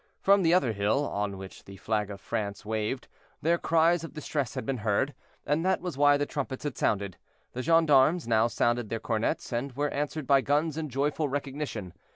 From the other hill, on which the flag of France waved, their cries of distress had been heard, and that was why the trumpets had sounded. The gendarmes now sounded their cornets, and were answered by guns in joyful recognition.